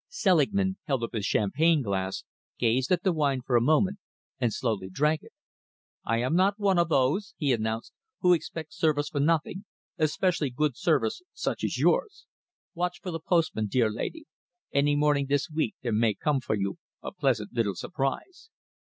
Selingman held up his champagne glass, gazed at the wine for a moment, and slowly drank it. "I am not of those," he announced, "who expect service for nothing, especially good service such as yours. Watch for the postman, dear lady. Any morning this week there may come for you a pleasant little surprise."